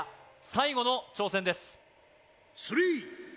最後の挑戦です